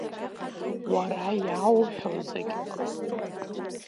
Уара иаауҳәо зегь ҟасҵоит.